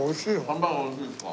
ハンバーガー美味しいですか？